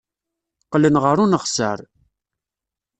Qqlen ɣer uneɣsar.